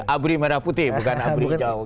abri merah putih bukan abri jauh